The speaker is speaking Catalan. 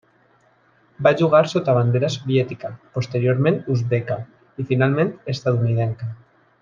Va jugar sota bandera soviètica, posteriorment uzbeka, i finalment estatunidenca.